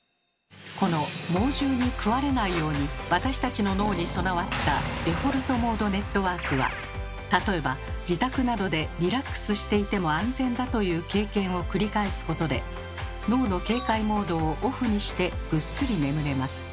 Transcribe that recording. この猛獣に食われないように私たちの脳に備わったデフォルトモードネットワークは例えば自宅などでリラックスしていても安全だという経験を繰り返すことで脳の警戒モードをオフにしてぐっすり眠れます。